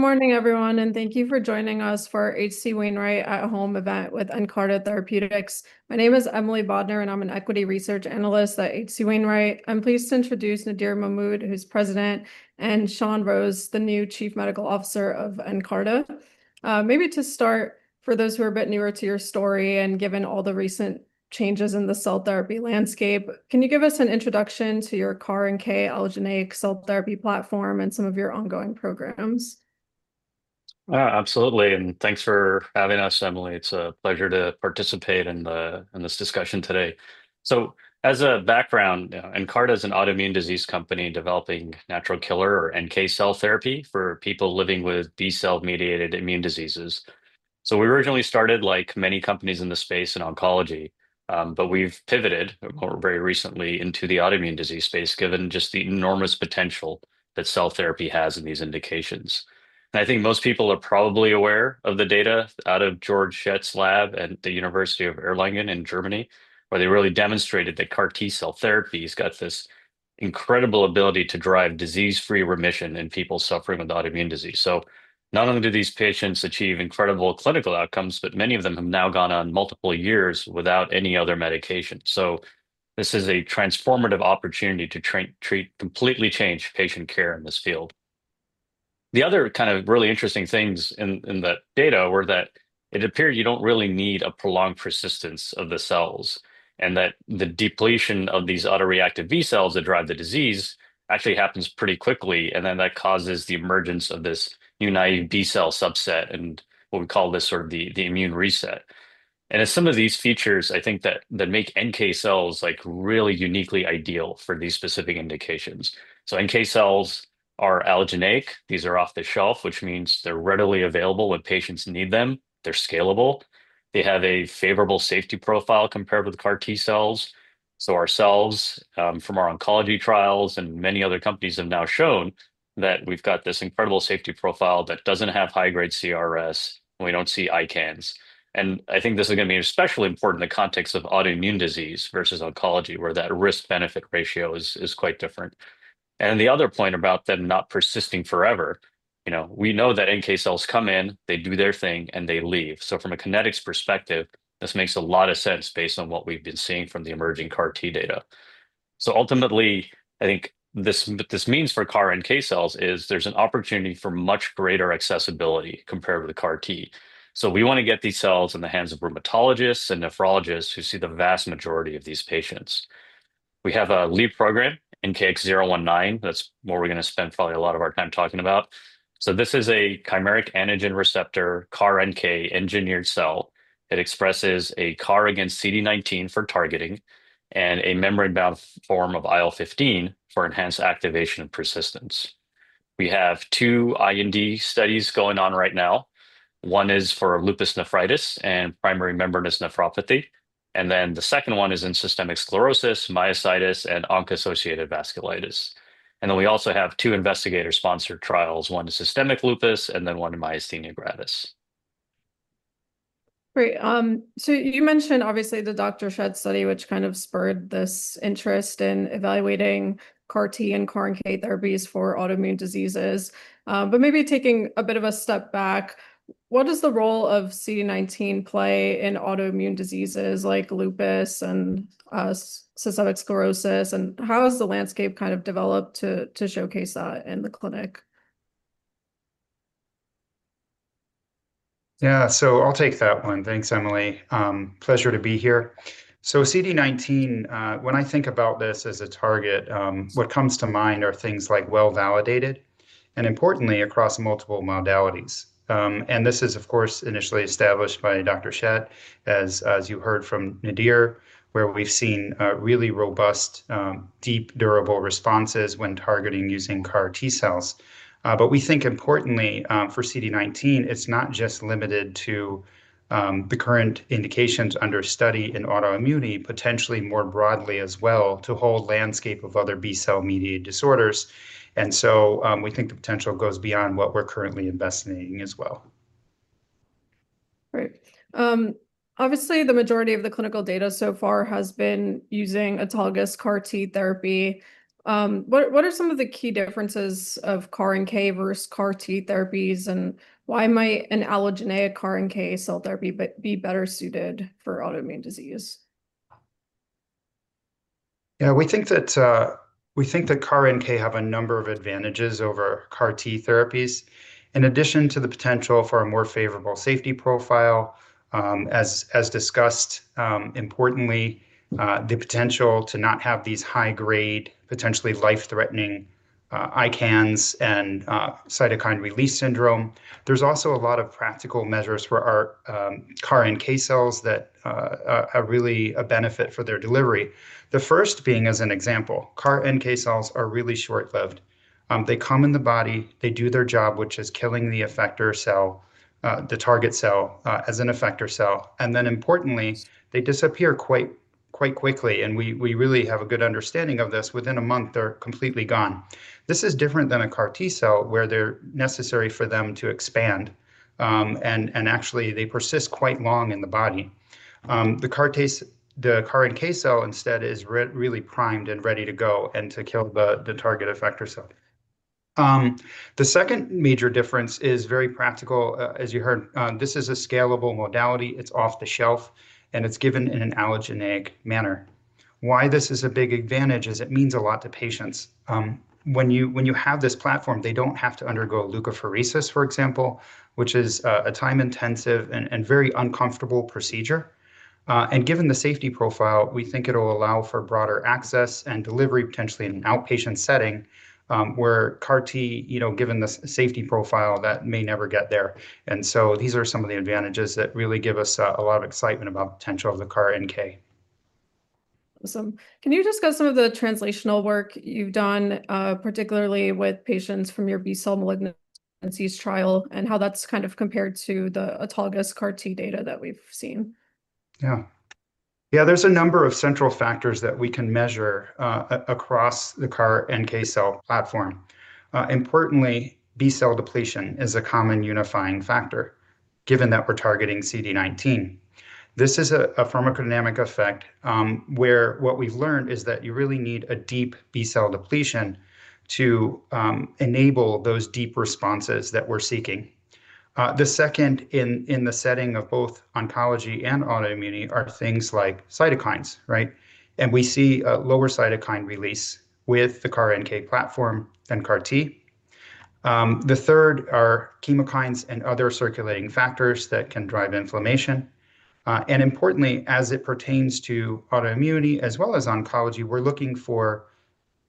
Good morning, everyone, and thank you for joining us for our H.C. Wainwright at Home event with Nkarta Therapeutics. My name is Emily Bodner, and I'm an Equity Research Analyst at H.C. Wainwright. I'm pleased to introduce Nadir Mahmood, who's President, and Shawn Rose, the new Chief Medical Officer of Nkarta. Maybe to start, for those who are a bit newer to your story and given all the recent changes in the cell therapy landscape, can you give us an introduction to your CAR NK allogeneic cell therapy platform and some of your ongoing programs? Absolutely, and thanks for having us, Emily. It's a pleasure to participate in this discussion today. As a background, Nkarta is an autoimmune disease company developing natural killer or NK cell therapy for people living with B-cell-mediated immune diseases. We originally started, like many companies in this space, in oncology, but we've pivoted very recently into the autoimmune disease space, given just the enormous potential that cell therapy has in these indications. I think most people are probably aware of the data out of Dr. George Schmidt's lab at the University of Erlangen in Germany, where they really demonstrated that CAR T-cell therapy has got this incredible ability to drive disease-free remission in people suffering with autoimmune disease. Not only do these patients achieve incredible clinical outcomes, but many of them have now gone on multiple years without any other medication. This is a transformative opportunity to treat, completely changed patient care in this field. The other kind of really interesting things in the data were that it appeared you don't really need a prolonged persistence of the cells, and that the depletion of these autoreactive B cells that drive the disease actually happens pretty quickly, and then that causes the emergence of this new naive B cell subset, and what we call this sort of the immune reset. Some of these features, I think, make NK cells really uniquely ideal for these specific indications. NK cells are allogeneic. These are off the shelf, which means they're readily available when patients need them. They're scalable. They have a favorable safety profile compared with CAR T cells. Ourselves, from our oncology trials and many other companies, have now shown that we've got this incredible safety profile that doesn't have high-grade CRS, and we don't see ICANS. I think this is going to be especially important in the context of autoimmune disease versus oncology, where that risk-benefit ratio is quite different. The other point about them not persisting forever, you know, we know that NK cells come in, they do their thing, and they leave. From a kinetics perspective, this makes a lot of sense based on what we've been seeing from the emerging CAR T data. Ultimately, I think what this means for CAR NK cells is there's an opportunity for much greater accessibility compared with the CAR T. We want to get these cells in the hands of rheumatologists and nephrologists who see the vast majority of these patients. We have a LEAP program, NKX019. That's what we're going to spend probably a lot of our time talking about. This is a chimeric antigen receptor CAR NK engineered cell that expresses a CAR against CD19 for targeting and a membrane-bound form of IL-15 for enhanced activation and persistence. We have two IND studies going on right now. One is for lupus nephritis and primary membranous nephropathy, and the second one is in systemic sclerosis, myositis, and ANCA-associated vasculitis. We also have two investigator-sponsored trials, one in systemic lupus and one in myasthenia gravis. Great. You mentioned, obviously, the Dr. Schmidt study, which kind of spurred this interest in evaluating CAR T and CAR NK therapies for autoimmune diseases. Maybe taking a bit of a step back, what does the role of CD19 play in autoimmune diseases like lupus and systemic sclerosis, and how has the landscape kind of developed to showcase that in the clinic? Yeah, I'll take that one. Thanks, Emily. Pleasure to be here. CD19, when I think about this as a target, what comes to mind are things like well-validated and importantly across multiple modalities. This is, of course, initially established by Dr. Schmidt, as you heard from Nadir, where we've seen really robust, deep, durable responses when targeting using CAR T cells. We think importantly for CD19, it's not just limited to the current indications under study in autoimmunity, potentially more broadly as well, to the landscape of other B-cell-mediated disorders. We think the potential goes beyond what we're currently investigating as well. Right. Obviously, the majority of the clinical data so far has been using autologous CAR T therapy. What are some of the key differences of CAR NK versus CAR T therapies, and why might an allogeneic CAR NK cell therapy be better suited for autoimmune disease? Yeah, we think that CAR NK has a number of advantages over CAR T therapies. In addition to the potential for a more favorable safety profile, as discussed, importantly, the potential to not have these high-grade, potentially life-threatening ICANNs and cytokine release syndrome. There are also a lot of practical measures for our CAR NK cells that are really a benefit for their delivery. The first being, as an example, CAR NK cells are really short-lived. They come in the body, they do their job, which is killing the effector cell, the target cell as an effector cell, and then importantly, they disappear quite quickly, and we really have a good understanding of this. Within a month, they're completely gone. This is different than a CAR T cell, where they're necessary for them to expand, and actually, they persist quite long in the body. The CAR NK cell instead is really primed and ready to go and to kill the target effector cell. The second major difference is very practical. As you heard, this is a scalable modality. It's off the shelf, and it's given in an allogeneic manner. Why this is a big advantage is it means a lot to patients. When you have this platform, they don't have to undergo leukapheresis, for example, which is a time-intensive and very uncomfortable procedure. Given the safety profile, we think it'll allow for broader access and delivery, potentially in an outpatient setting, where CAR T, given the safety profile, that may never get there. These are some of the advantages that really give us a lot of excitement about the potential of the CAR NK. Awesome. Can you discuss some of the translational work you've done, particularly with patients from your B-cell malignancies trial, and how that's kind of compared to the autologous CAR T data that we've seen? Yeah, there's a number of central factors that we can measure across the CAR NK cell platform. Importantly, B-cell depletion is a common unifying factor, given that we're targeting CD19. This is a pharmacodynamic effect where what we've learned is that you really need a deep B-cell depletion to enable those deep responses that we're seeking. The second, in the setting of both oncology and autoimmunity, are things like cytokines, right? We see a lower cytokine release with the CAR NK platform and CAR T. The third are chemokines and other circulating factors that can drive inflammation. Importantly, as it pertains to autoimmunity as well as oncology, we're looking for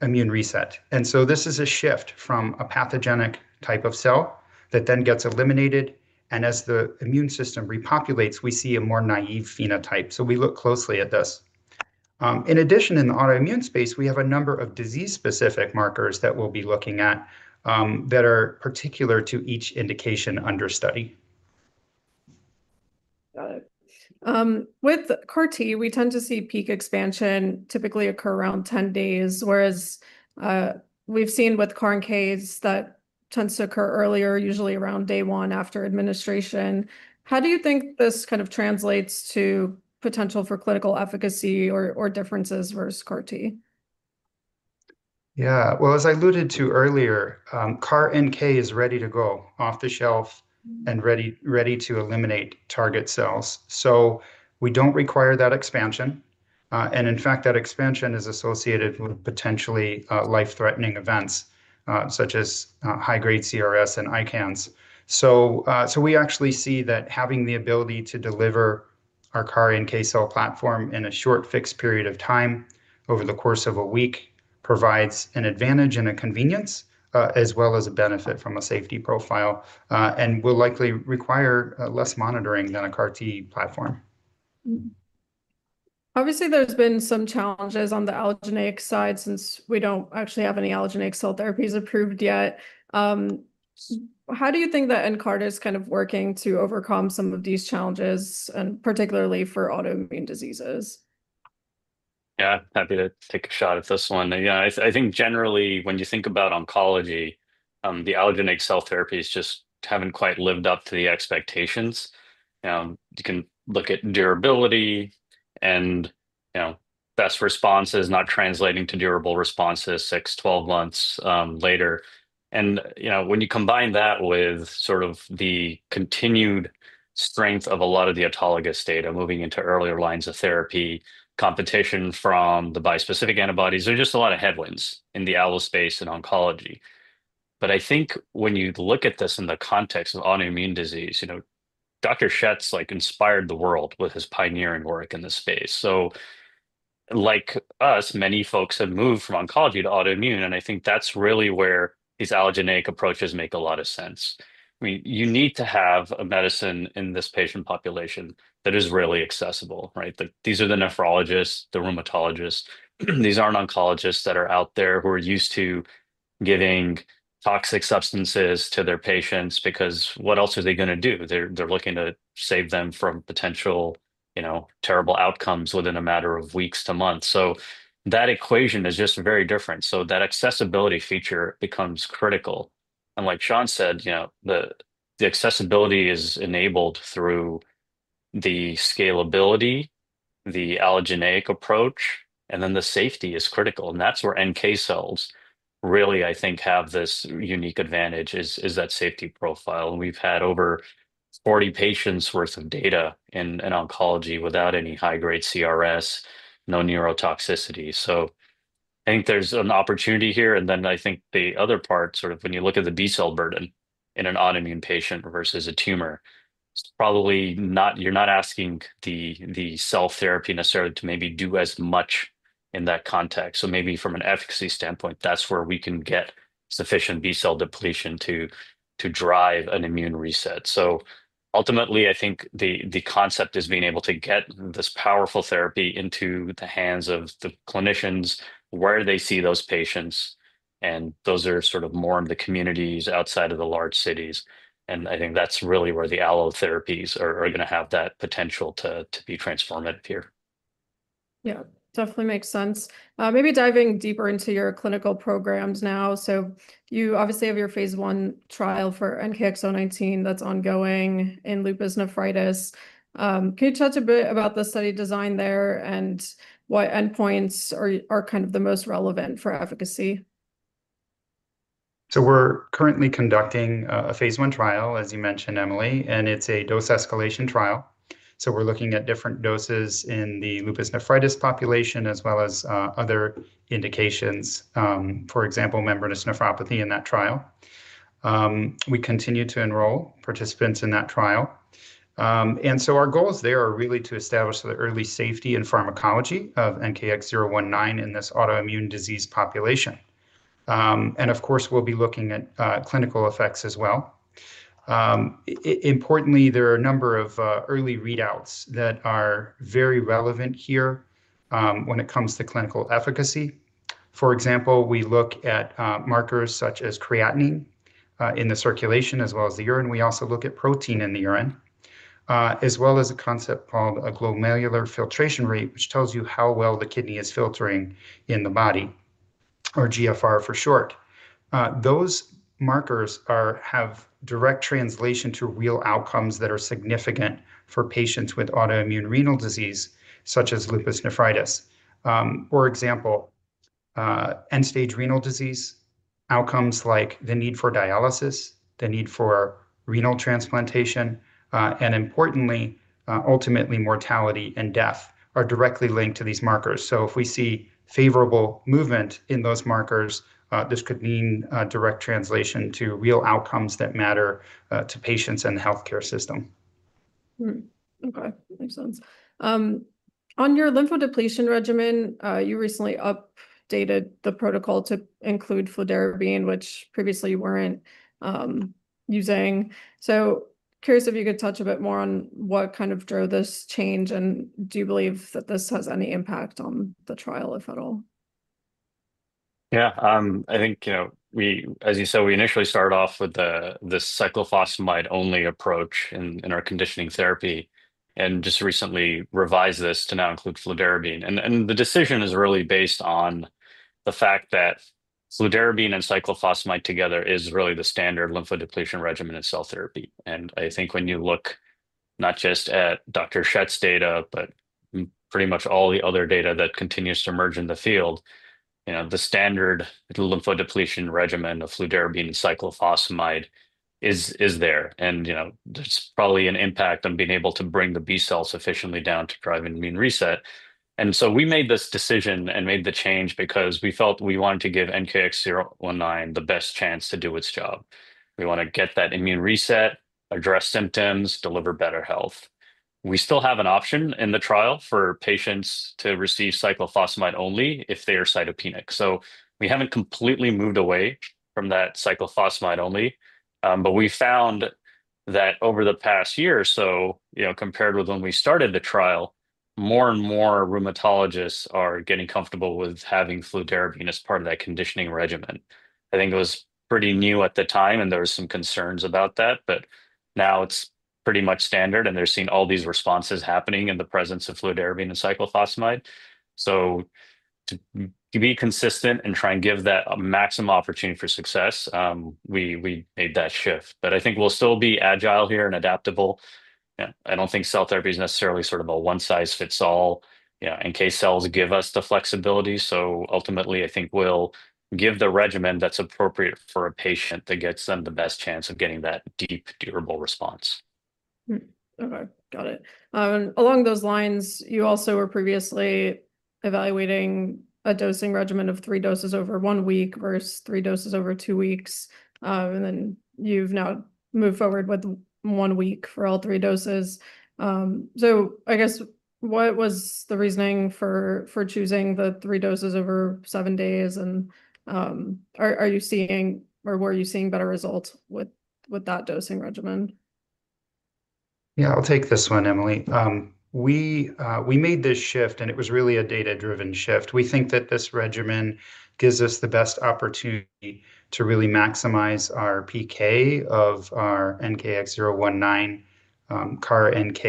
immune reset. This is a shift from a pathogenic type of cell that then gets eliminated, and as the immune system repopulates, we see a more naive phenotype. We look closely at this. In addition, in the autoimmune space, we have a number of disease-specific markers that we'll be looking at that are particular to each indication under study. With CAR T, we tend to see peak expansion typically occur around 10 days, whereas we've seen with CAR NK, that tends to occur earlier, usually around day one after administration. How do you think this kind of translates to potential for clinical efficacy or differences versus CAR T? As I alluded to earlier, CAR NK is ready to go, off the shelf, and ready to eliminate target cells. We don't require that expansion. In fact, that expansion is associated with potentially life-threatening events, such as high-grade cytokine release syndrome and ICANS. We actually see that having the ability to deliver our CAR NK cell platform in a short fixed period of time over the course of a week provides an advantage and a convenience, as well as a benefit from a safety profile, and will likely require less monitoring than a CAR T platform. Obviously, there's been some challenges on the allogeneic side since we don't actually have any allogeneic cell therapies approved yet. How do you think that Nkarta is kind of working to overcome some of these challenges, and particularly for autoimmune diseases? Yeah, happy to take a shot at this one. I think generally, when you think about oncology, the allogeneic cell therapies just haven't quite lived up to the expectations. You can look at durability and best responses not translating to durable responses six, 12 months later. When you combine that with the continued strength of a lot of the autologous data moving into earlier lines of therapy, competition from the bispecific antibodies, there's just a lot of headwinds in the allospace in oncology. I think when you look at this in the context of autoimmune disease, Dr. Schmidt's inspired the world with his pioneering work in this space. Like us, many folks have moved from oncology to autoimmune, and I think that's really where these allogeneic approaches make a lot of sense. I mean, you need to have a medicine in this patient population that is really accessible, right? These are the nephrologists, the rheumatologists. These aren't oncologists that are out there who are used to giving toxic substances to their patients because what else are they going to do? They're looking to save them from potential, you know, terrible outcomes within a matter of weeks to months. That equation is just very different. That accessibility feature becomes critical. Like Shawn said, the accessibility is enabled through the scalability, the allogeneic approach, and then the safety is critical. That's where NK cells really, I think, have this unique advantage, is that safety profile. We've had over 40 patients' worth of data in oncology without any high-grade CRS, no neurotoxicity. I think there's an opportunity here. I think the other part, when you look at the B-cell burden in an autoimmune patient versus a tumor, probably not, you're not asking the cell therapy necessarily to maybe do as much in that context. Maybe from an efficacy standpoint, that's where we can get sufficient B-cell depletion to drive an immune reset. Ultimately, I think the concept is being able to get this powerful therapy into the hands of the clinicians, where they see those patients, and those are more in the communities outside of the large cities. I think that's really where the allotherapies are going to have that potential to be transformative here. Yeah, definitely makes sense. Maybe diving deeper into your clinical programs now. You obviously have your phase I trial for NKX019 that's ongoing in lupus nephritis. Can you touch a bit about the study design there and what endpoints are kind of the most relevant for efficacy? We're currently conducting a phase I trial, as you mentioned, Emily, and it's a dose escalation trial. We're looking at different doses in the lupus nephritis population, as well as other indications, for example, primary membranous nephropathy in that trial. We continue to enroll participants in that trial. Our goals there are really to establish the early safety and pharmacology of NKX019 in this autoimmune disease population. Of course, we'll be looking at clinical effects as well. Importantly, there are a number of early readouts that are very relevant here when it comes to clinical efficacy. For example, we look at markers such as creatinine in the circulation, as well as the urine. We also look at protein in the urine, as well as a concept called glomerular filtration rate, which tells you how well the kidney is filtering in the body, or GFR for short. Those markers have direct translation to real outcomes that are significant for patients with autoimmune renal disease, such as lupus nephritis. For example, end-stage renal disease, outcomes like the need for dialysis, the need for renal transplantation, and importantly, ultimately, mortality and death are directly linked to these markers. If we see favorable movement in those markers, this could mean direct translation to real outcomes that matter to patients and the healthcare system. Okay, makes sense. On your lymphodepletion regimen, you recently updated the protocol to include fludarabine, which previously you weren't using. Curious if you could touch a bit more on what kind of drove this change, and do you believe that this has any impact on the trial, if at all? Yeah, I think, you know, we, as you said, we initially started off with the cyclophosphamide-only approach in our conditioning therapy and just recently revised this to now include fludarabine. The decision is really based on the fact that fludarabine and cyclophosphamide together is really the standard lymphodepletion regimen in cell therapy. I think when you look not just at Dr. Schmidt's data, but pretty much all the other data that continues to emerge in the field, the standard lymphodepletion regimen of fludarabine and cyclophosphamide is there. There's probably an impact on being able to bring the B cells sufficiently down to drive an immune reset. We made this decision and made the change because we felt we wanted to give NKX019 the best chance to do its job. We want to get that immune reset, address symptoms, deliver better health. We still have an option in the trial for patients to receive cyclophosphamide only if they are cytopenic. We haven't completely moved away from that cyclophosphamide only, but we found that over the past year or so, compared with when we started the trial, more and more rheumatologists are getting comfortable with having fludarabine as part of that conditioning regimen. I think it was pretty new at the time, and there were some concerns about that, but now it's pretty much standard, and they're seeing all these responses happening in the presence of fludarabine and cyclophosphamide. To be consistent and try and give that maximum opportunity for success, we made that shift. I think we'll still be agile here and adaptable. I don't think cell therapy is necessarily sort of a one-size-fits-all. NK cells give us the flexibility. Ultimately, I think we'll give the regimen that's appropriate for a patient that gets them the best chance of getting that deep, durable response. Okay, got it. Along those lines, you also were previously evaluating a dosing regimen of three doses over one week versus three doses over two weeks. You've now moved forward with one week for all three doses. What was the reasoning for choosing the three doses over seven days? Are you seeing, or were you seeing, better results with that dosing regimen? Yeah, I'll take this one, Emily. We made this shift, and it was really a data-driven shift. We think that this regimen gives us the best opportunity to really maximize our PK of our NKX019 CAR NK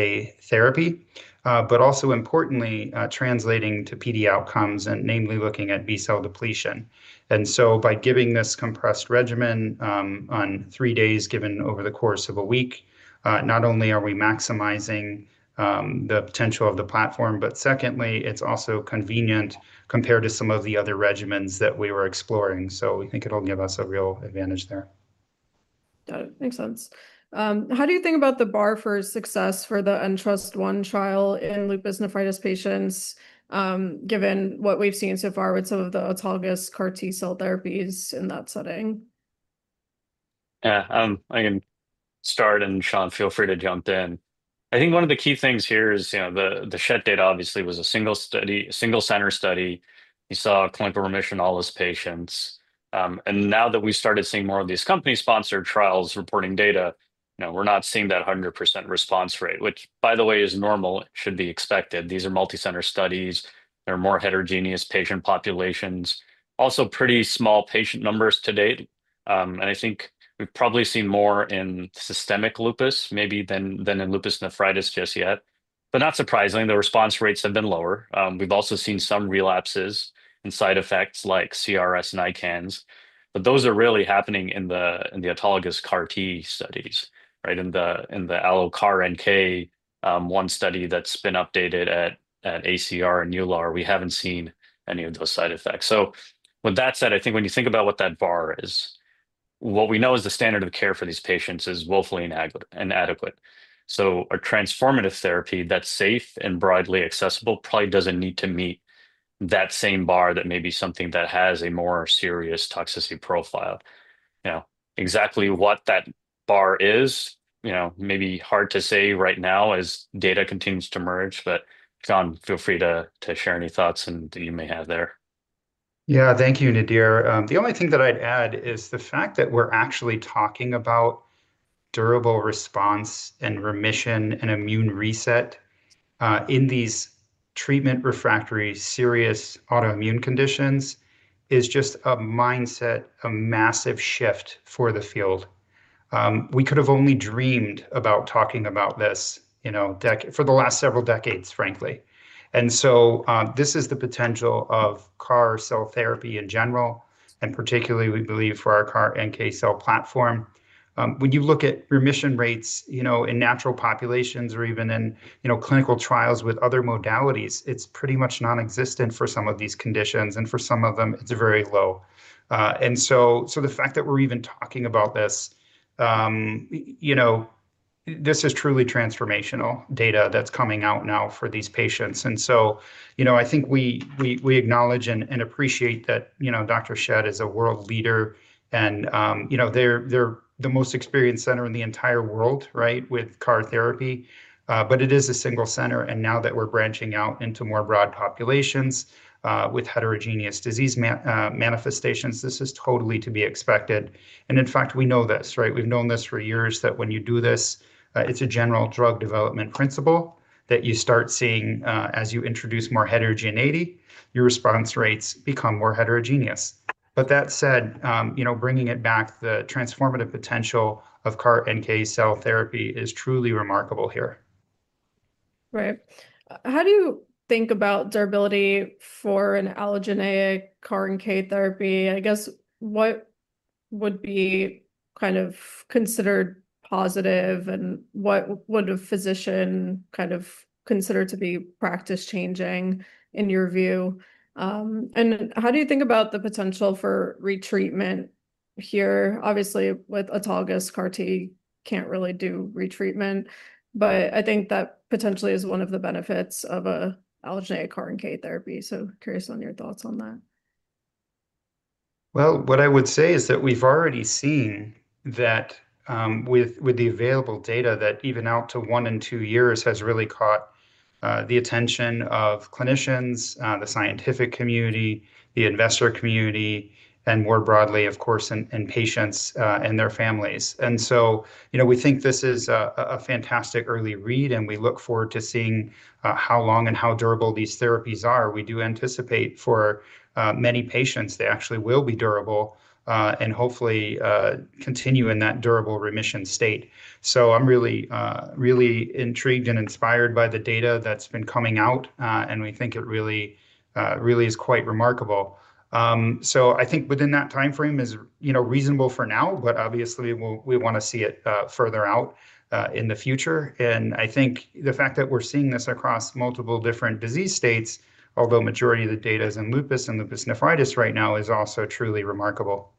therapy, but also importantly translating to PD outcomes and namely looking at B-cell depletion. By giving this compressed regimen on three days given over the course of a week, not only are we maximizing the potential of the platform, but it's also convenient compared to some of the other regimens that we were exploring. We think it'll give us a real advantage there. Got it. Makes sense. How do you think about the bar for success for the NTRUST-1 trial in lupus nephritis patients, given what we've seen so far with some of the autologous CAR T therapies in that setting? Yeah, I can start, and Shawn, feel free to jump in. I think one of the key things here is, you know, the Schmidt data obviously was a single study, a single-center study. We saw clinical remission in all those patients. Now that we've started seeing more of these company-sponsored trials reporting data, we're not seeing that 100% response rate, which, by the way, is normal. It should be expected. These are multi-center studies. There are more heterogeneous patient populations. Also, pretty small patient numbers to date. I think we've probably seen more in systemic lupus maybe than in lupus nephritis just yet. Not surprisingly, the response rates have been lower. We've also seen some relapses and side effects like cytokine release syndrome and ICANS. Those are really happening in the autologous CAR T studies, right? In the allogeneic CAR NK-1 study that's been updated at ACR and EULAR, we haven't seen any of those side effects. With that said, I think when you think about what that bar is, what we know is the standard of care for these patients is woefully inadequate. A transformative therapy that's safe and broadly accessible probably doesn't need to meet that same bar that may be something that has a more serious toxicity profile. Now, exactly what that bar is, you know, maybe hard to say right now as data continues to emerge. Shawn, feel free to share any thoughts that you may have there. Yeah, thank you, Nadir. The only thing that I'd add is the fact that we're actually talking about durable response and remission and immune reset in these treatment-refractory serious autoimmune conditions is just a mindset, a massive shift for the field. We could have only dreamed about talking about this for the last several decades, frankly. This is the potential of CAR cell therapy in general, and particularly we believe for our CAR NK cell platform. When you look at remission rates in natural populations or even in clinical trials with other modalities, it's pretty much nonexistent for some of these conditions, and for some of them, it's very low. The fact that we're even talking about this, this is truly transformational data that's coming out now for these patients. I think we acknowledge and appreciate that Dr. Schmidt is a world leader, and they're the most experienced center in the entire world with CAR therapy. It is a single center, and now that we're branching out into more broad populations with heterogeneous disease manifestations, this is totally to be expected. In fact, we know this, right? We've known this for years that when you do this, it's a general drug development principle that you start seeing as you introduce more heterogeneity, your response rates become more heterogeneous. That said, bringing it back, the transformative potential of CAR NK cell therapy is truly remarkable here. Right. How do you think about durability for an allogeneic CAR NK therapy? I guess, what would be kind of considered positive and what would a physician kind of consider to be practice-changing in your view? How do you think about the potential for retreatment here? Obviously, with autologous CAR T, you can't really do retreatment. I think that potentially is one of the benefits of an allogeneic CAR NK therapy. Curious on your thoughts on that. What I would say is that we've already seen that with the available data that even out to one and two years has really caught the attention of clinicians, the scientific community, the investor community, and more broadly, of course, in patients and their families. We think this is a fantastic early read, and we look forward to seeing how long and how durable these therapies are. We do anticipate for many patients they actually will be durable and hopefully continue in that durable remission state. I'm really, really intrigued and inspired by the data that's been coming out, and we think it really, really is quite remarkable. I think within that timeframe is, you know, reasonable for now, but obviously, we want to see it further out in the future. I think the fact that we're seeing this across multiple different disease states, although the majority of the data is in lupus and lupus nephritis right now, is also truly remarkable.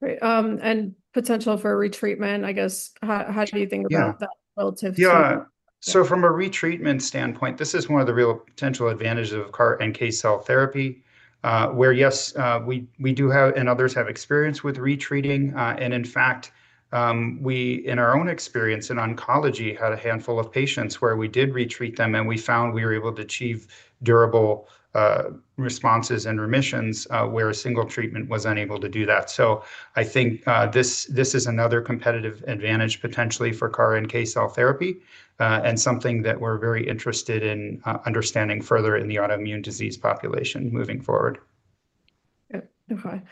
Great. The potential for retreatment, I guess, how do you think about that relative to? Yeah, so from a retreatment standpoint, this is one of the real potential advantages of CAR NK cell therapy, where yes, we do have and others have experience with retreating. In fact, we, in our own experience in oncology, had a handful of patients where we did retreat them, and we found we were able to achieve durable responses and remissions where a single treatment was unable to do that. I think this is another competitive advantage potentially for CAR NK cell therapy and something that we're very interested in understanding further in the autoimmune disease population moving forward. Okay.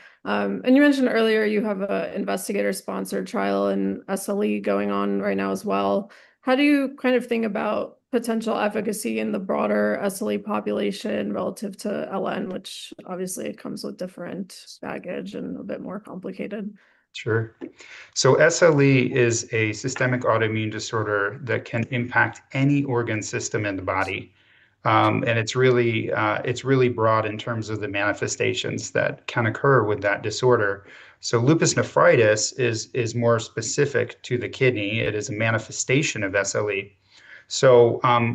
You mentioned earlier you have an investigator-sponsored trial in SLE going on right now as well. How do you kind of think about potential efficacy in the broader SLE population relative to LN, which obviously comes with different baggage and a bit more complicated? Sure. SLE is a systemic autoimmune disorder that can impact any organ system in the body. It's really broad in terms of the manifestations that can occur with that disorder. Lupus nephritis is more specific to the kidney; it is a manifestation of SLE.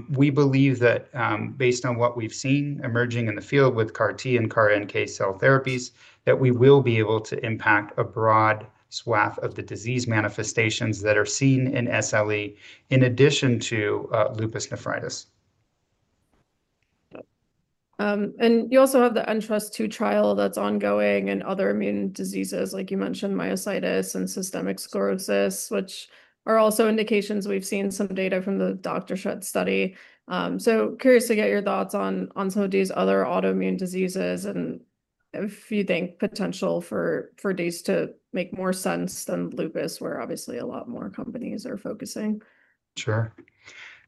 We believe that based on what we've seen emerging in the field with CAR T and CAR NK cell therapies, we will be able to impact a broad swath of the disease manifestations that are seen in SLE in addition to lupus nephritis. You also have the NTRUST-2 trial that's ongoing in other immune diseases, like you mentioned myositis and systemic sclerosis, which are also indications we've seen some data from the Dr. Schmidt study. I'm curious to get your thoughts on some of these other autoimmune diseases and if you think potential for these to make more sense than lupus, where obviously a lot more companies are focusing. Sure.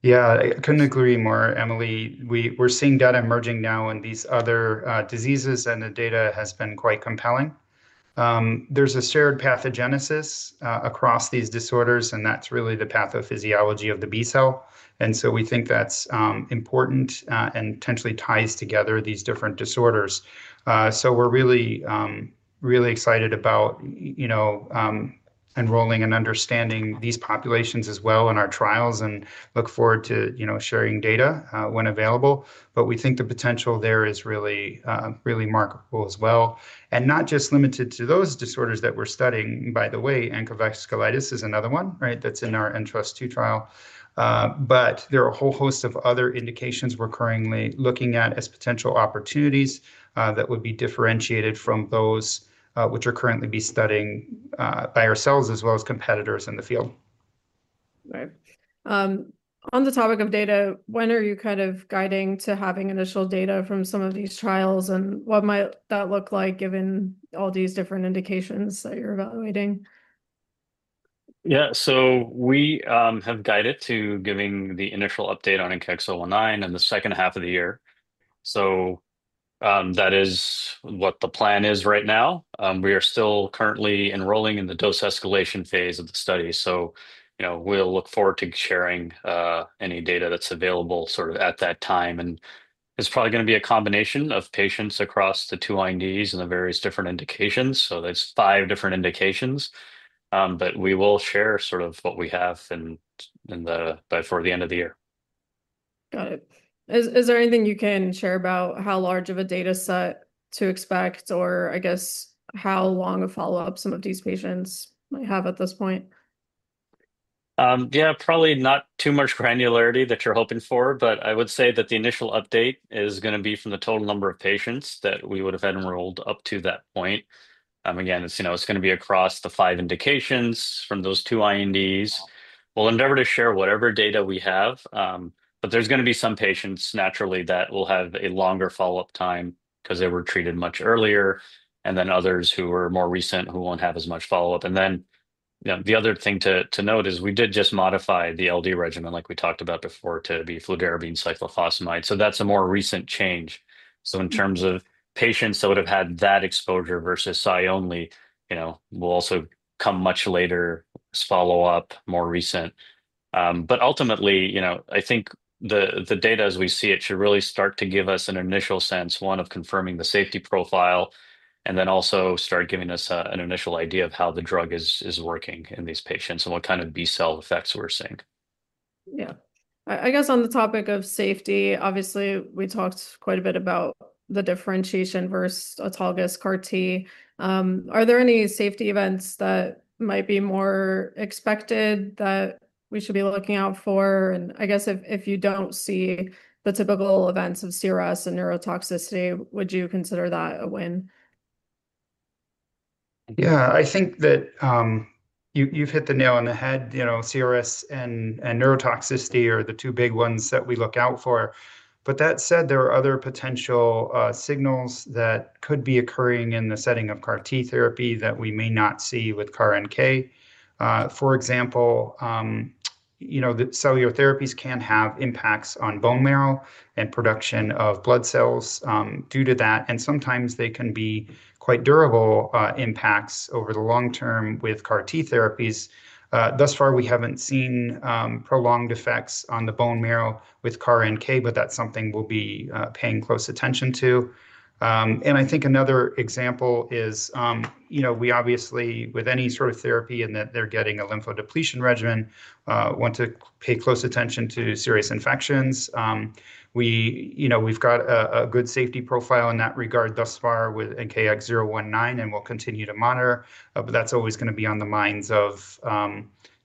Yeah, I couldn't agree more, Emily. We're seeing data emerging now on these other diseases, and the data has been quite compelling. There's a shared pathogenesis across these disorders, and that's really the pathophysiology of the B cell. We think that's important and potentially ties together these different disorders. We're really, really excited about enrolling and understanding these populations as well in our trials and look forward to sharing data when available. We think the potential there is really, really remarkable as well, and not just limited to those disorders that we're studying. By the way, ANCA-associated vasculitis is another one that's in our NTRUST-2 trial. There are a whole host of other indications we're currently looking at as potential opportunities that would be differentiated from those which are currently being studied by ourselves as well as competitors in the field. Right. On the topic of data, when are you kind of guiding to having initial data from some of these trials, and what might that look like given all these different indications that you're evaluating? Yeah, so we have guided to giving the initial update on NKX019 in the second half of the year. That is what the plan is right now. We are still currently enrolling in the dose escalation phase of the study. We'll look forward to sharing any data that's available at that time. It's probably going to be a combination of patients across the two INDs and the various different indications. That's five different indications. We will share what we have by the end of the year. Got it. Is there anything you can share about how large of a data set to expect, or, I guess, how long a follow-up some of these patients might have at this point? Yeah, probably not too much granularity that you're hoping for, but I would say that the initial update is going to be from the total number of patients that we would have had enrolled up to that point. Again, it's going to be across the five indications from those two INDs. We'll endeavor to share whatever data we have, but there's going to be some patients naturally that will have a longer follow-up time because they were treated much earlier, and then others who are more recent who won't have as much follow-up. The other thing to note is we did just modify the lymphodepletion regimen, like we talked about before, to be fludarabine and cyclophosphamide. That's a more recent change. In terms of patients that would have had that exposure versus previously, you know, will also come much later, follow-up more recent. Ultimately, I think the data, as we see it, should really start to give us an initial sense, one, of confirming the safety profile and then also start giving us an initial idea of how the drug is working in these patients and what kind of B-cell effects we're seeing. Yeah. I guess on the topic of safety, obviously, we talked quite a bit about the differentiation versus autologous CAR T. Are there any safety events that might be more expected that we should be looking out for? If you don't see the typical events of CRS and neurotoxicity, would you consider that a win? Yeah, I think that you've hit the nail on the head. You know, cytokine release syndrome and neurotoxicity are the two big ones that we look out for. That said, there are other potential signals that could be occurring in the setting of autologous CAR T therapies that we may not see with allogeneic CAR NK cell therapy. For example, the cellular therapies can have impacts on bone marrow and production of blood cells due to that. Sometimes they can be quite durable impacts over the long term with autologous CAR T therapies. Thus far, we haven't seen prolonged effects on the bone marrow with allogeneic CAR NK cell therapy, but that's something we'll be paying close attention to. I think another example is, obviously, with any sort of therapy and that they're getting a lymphodepletion regimen, we want to pay close attention to serious infections. We've got a good safety profile in that regard thus far with NKX019, and we'll continue to monitor. That's always going to be on the minds of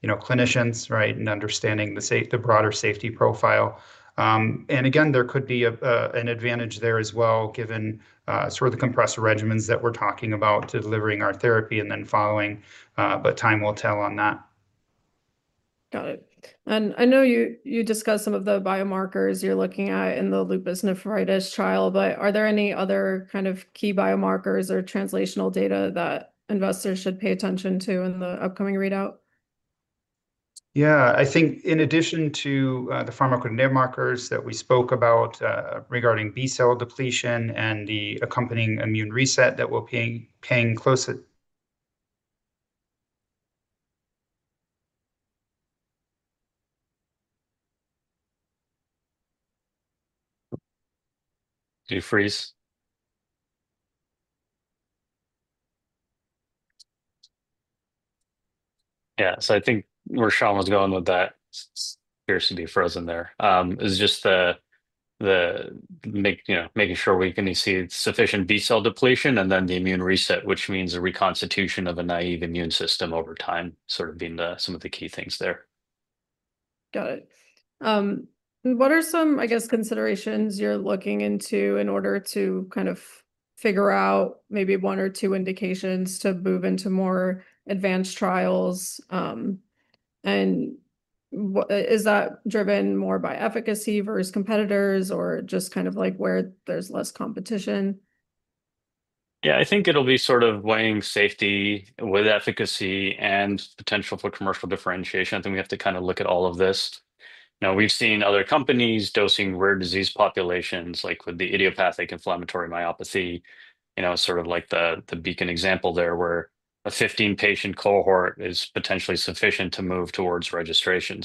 clinicians, right, and understanding the broader safety profile. There could be an advantage there as well, given sort of the compressor regimens that we're talking about to delivering our therapy and then following. Time will tell on that. Got it. I know you discussed some of the biomarkers you're looking at in the lupus nephritis trial, but are there any other kind of key biomarkers or translational data that investors should pay attention to in the upcoming readout? Yeah, I think in addition to the pharmacogenetic markers that we spoke about regarding B-cell depletion and the accompanying immune reset that we're paying close attention. Did it freeze? I think where Shawn was going with that, it appears to be frozen there. It's just making sure we can see sufficient B-cell depletion and then the immune reset, which means a reconstitution of a naive immune system over time, sort of being some of the key things there. What are some, I guess, considerations you're looking into in order to kind of figure out maybe one or two indications to move into more advanced trials? Is that driven more by efficacy versus competitors or just kind of like where there's less competition? Yeah, I think it'll be sort of weighing safety with efficacy and potential for commercial differentiation. I think we have to kind of look at all of this. We've seen other companies dosing rare disease populations like with the idiopathic inflammatory myopathy, like the beacon example there where a 15-patient cohort is potentially sufficient to move towards registration.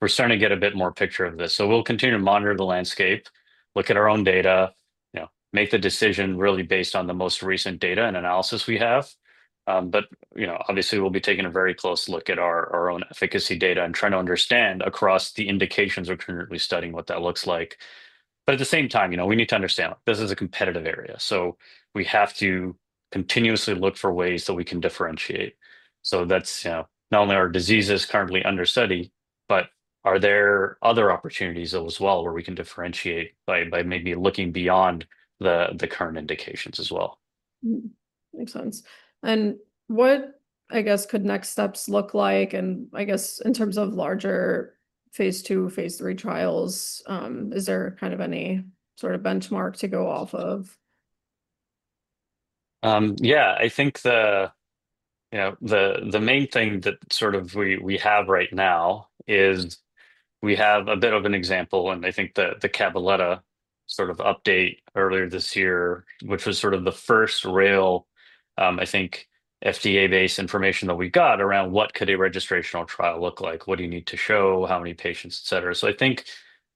We're starting to get a bit more picture of this. We'll continue to monitor the landscape, look at our own data, make the decision really based on the most recent data and analysis we have. Obviously, we'll be taking a very close look at our own efficacy data and trying to understand across the indications we're currently studying what that looks like. At the same time, we need to understand this is a competitive area. We have to continuously look for ways that we can differentiate. That's not only are diseases currently understudied, but are there other opportunities as well where we can differentiate by maybe looking beyond the current indications as well? Makes sense. What could next steps look like? In terms of larger phase II, phase III trials, is there any sort of benchmark to go off of? I think the main thing that we have right now is we have a bit of an example, and I think the Cabaletta update earlier this year, which was the first real FDA-based information that we got around what could a registrational trial look like, what do you need to show, how many patients, etc. I think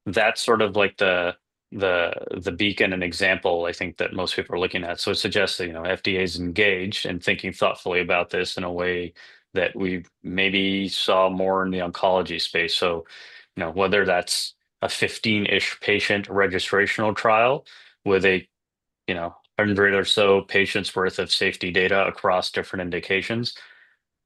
that's like the beacon and example that most people are looking at. It suggests that FDA is engaged and thinking thoughtfully about this in a way that we maybe saw more in the oncology space. Whether that's a 15-ish patient registrational trial with a 100 or so patients' worth of safety data across different indications,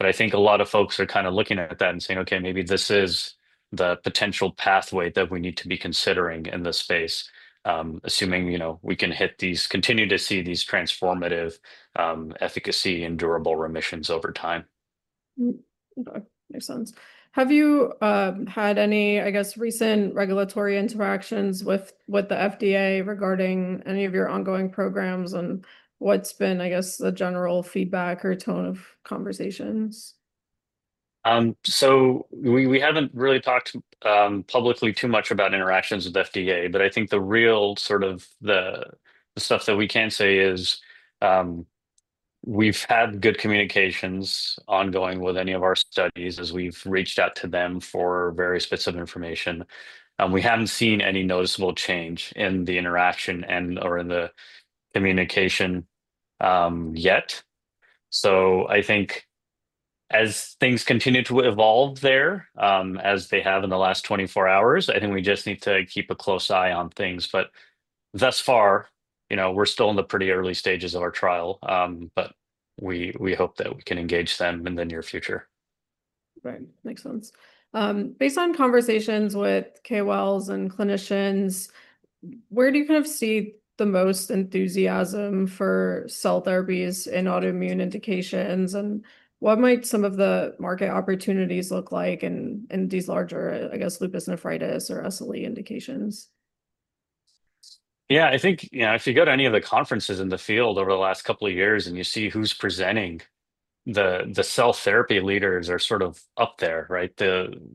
I think a lot of folks are kind of looking at that and saying, okay, maybe this is the potential pathway that we need to be considering in this space, assuming we can hit these, continue to see these transformative efficacy and durable remissions over time. Okay, makes sense. Have you had any recent regulatory interactions with the FDA regarding any of your ongoing programs, and what's been the general feedback or tone of conversations? We haven't really talked publicly too much about interactions with the FDA, but I think the real sort of the stuff that we can say is we've had good communications ongoing with any of our studies as we've reached out to them for various bits of information. We haven't seen any noticeable change in the interaction or in the communication yet. I think as things continue to evolve there, as they have in the last 24 hours, we just need to keep a close eye on things. Thus far, we're still in the pretty early stages of our trial, but we hope that we can engage them in the near future. Right, makes sense. Based on conversations with KOLs and clinicians, where do you kind of see the most enthusiasm for cell therapies in autoimmune indications? What might some of the market opportunities look like in these larger, I guess, lupus nephritis or SLE indications? Yeah, I think if you go to any of the conferences in the field over the last couple of years and you see who's presenting, the cell therapy leaders are sort of up there, right?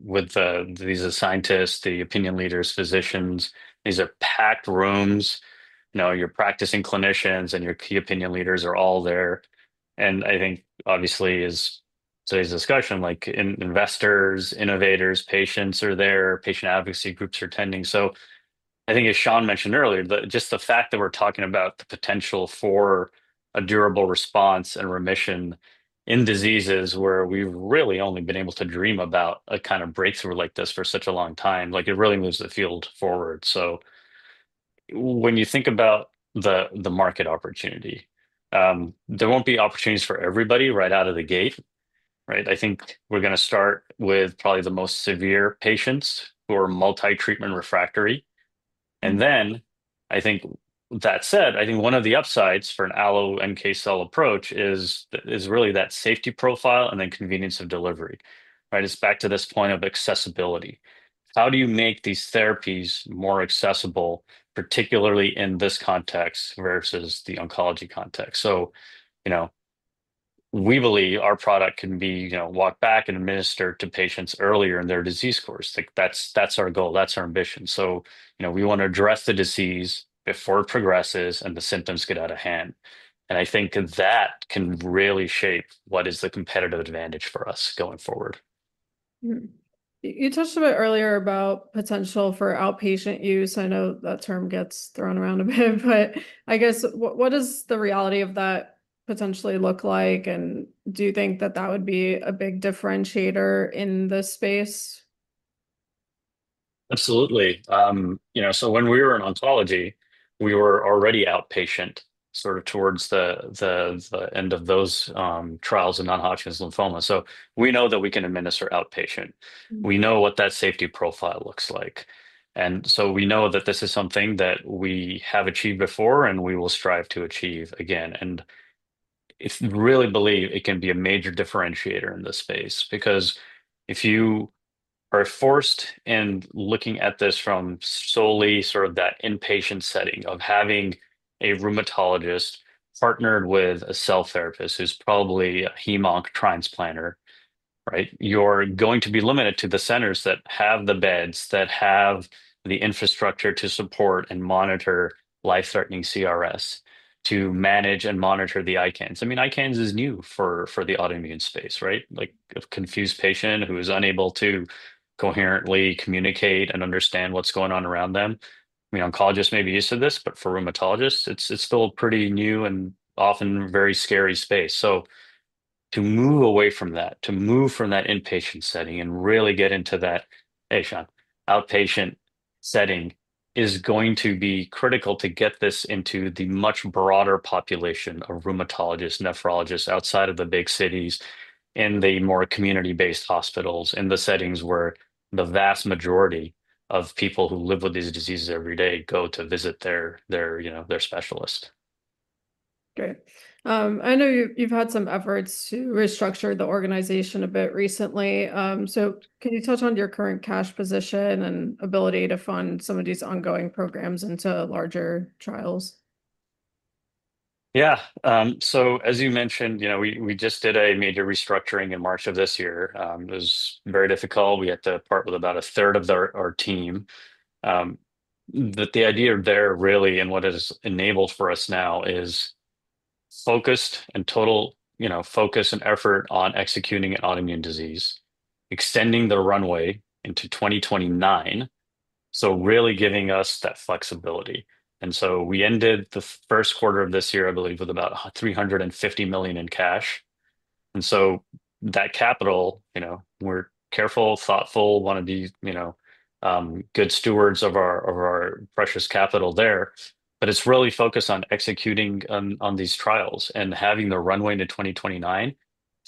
With these scientists, the opinion leaders, physicians, these are packed rooms. Your practicing clinicians and your key opinion leaders are all there. I think, obviously, as today's discussion, like investors, innovators, patients are there, patient advocacy groups are attending. I think, as Shawn mentioned earlier, just the fact that we're talking about the potential for a durable response and remission in diseases where we've really only been able to dream about a kind of breakthrough like this for such a long time, like it really moves the field forward. When you think about the market opportunity, there won't be opportunities for everybody right out of the gate, right? I think we're going to start with probably the most severe patients who are multi-treatment refractory. That said, I think one of the upsides for an allogeneic NK cell approach is really that safety profile and then convenience of delivery, right? It's back to this point of accessibility. How do you make these therapies more accessible, particularly in this context versus the oncology context? We believe our product can be, you know, walked back and administered to patients earlier in their disease course. That's our goal, that's our ambition. We want to address the disease before it progresses and the symptoms get out of hand. I think that can really shape what is the competitive advantage for us going forward. You touched a bit earlier about potential for outpatient use. I know that term gets thrown around a bit, but I guess what does the reality of that potentially look like? Do you think that that would be a big differentiator in this space? Absolutely. You know, when we were in oncology, we were already outpatient sort of towards the end of those trials in non-Hodgkin's lymphoma. We know that we can administer outpatient. We know what that safety profile looks like. We know that this is something that we have achieved before and we will strive to achieve again. I really believe it can be a major differentiator in this space because if you are forced in looking at this from solely sort of that inpatient setting of having a rheumatologist partnered with a cell therapist who's probably a hem-onc transplanter, right? You're going to be limited to the centers that have the beds, that have the infrastructure to support and monitor life-threatening cytokine release syndrome, to manage and monitor the ICANS. ICANS is new for the autoimmune space, right? Like a confused patient who is unable to coherently communicate and understand what's going on around them. Oncologists may be used to this, but for rheumatologists, it's still a pretty new and often very scary space. To move away from that, to move from that inpatient setting and really get into that, hey Shawn, outpatient setting is going to be critical to get this into the much broader population of rheumatologists, nephrologists outside of the big cities, in the more community-based hospitals, in the settings where the vast majority of people who live with these diseases every day go to visit their specialist. Great. I know you've had some efforts to restructure the organization a bit recently. Can you touch on your current cash position and ability to fund some of these ongoing programs into larger trials? Yeah. As you mentioned, we just did a major restructuring in March of this year. It was very difficult. We had to part with about a third of our team. The idea there really, and what it has enabled for us now, is focused and total focus and effort on executing an autoimmune disease, extending the runway into 2029, really giving us that flexibility. We ended the first quarter of this year, I believe, with about $350 million in cash. That capital, we're careful, thoughtful, want to be good stewards of our precious capital there. It's really focused on executing on these trials and having the runway to 2029.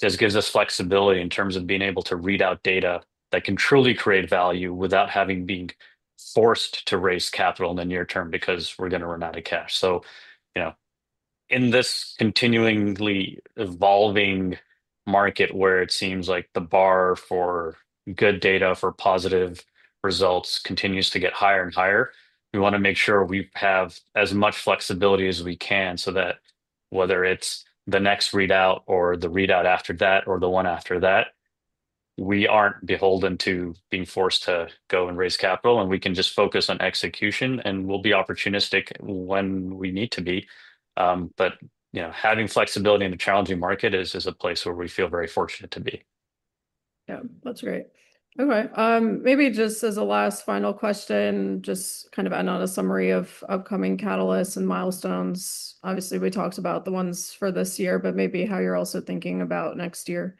This gives us flexibility in terms of being able to read out data that can truly create value without having been forced to raise capital in the near term because we're going to run out of cash. In this continuingly evolving market where it seems like the bar for good data for positive results continues to get higher and higher, we want to make sure we have as much flexibility as we can so that whether it's the next readout or the readout after that or the one after that, we aren't beholden to being forced to go and raise capital, and we can just focus on execution, and we'll be opportunistic when we need to be. Having flexibility in a challenging market is a place where we feel very fortunate to be. Yeah, that's great. Okay, maybe just as a last final question, just kind of end on a summary of upcoming catalysts and milestones. Obviously, we talked about the ones for this year, but maybe how you're also thinking about next year.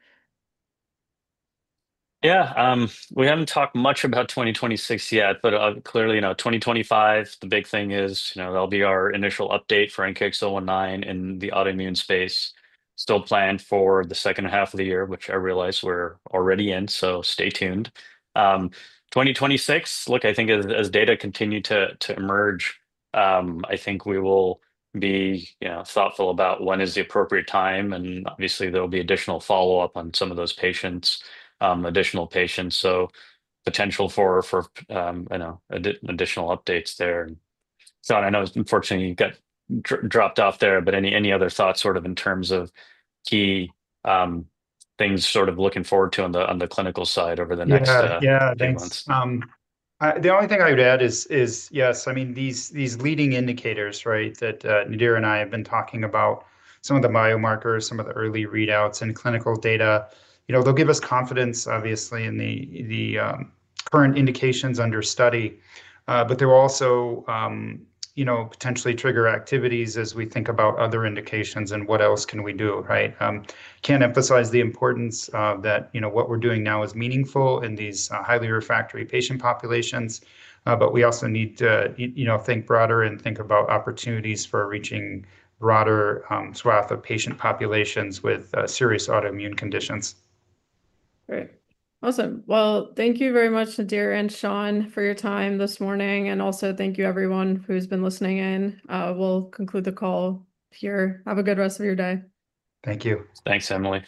Yeah, we haven't talked much about 2026 yet, but clearly, you know, 2025, the big thing is, you know, that'll be our initial update for NKX019 in the autoimmune space. Still planned for the second half of the year, which I realize we're already in, so stay tuned. 2026, look, I think as data continue to emerge, I think we will be, you know, thoughtful about when is the appropriate time, and obviously, there'll be additional follow-up on some of those patients, additional patients. Potential for, you know, additional updates there. Shawn, I know unfortunately you got dropped off there, but any other thoughts sort of in terms of key things sort of looking forward to on the clinical side over the next six months? Yeah, thanks. The only thing I would add is, yes, I mean, these leading indicators, right, that Nadir and I have been talking about, some of the biomarkers, some of the early readouts and clinical data, they'll give us confidence, obviously, in the current indications under study. They will also, you know, potentially trigger activities as we think about other indications and what else can we do, right? I can't emphasize the importance of that. You know, what we're doing now is meaningful in these highly refractory patient populations. We also need to, you know, think broader and think about opportunities for reaching broader swaths of patient populations with serious autoimmune conditions. Great. Awesome. Thank you very much, Nadir and Shawn, for your time this morning. Thank you everyone who's been listening in. We'll conclude the call here. Have a good rest of your day. Thank you. Thanks, Emily.